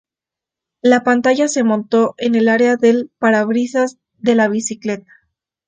La pantalla se montó en el área del parabrisas de la bicicleta.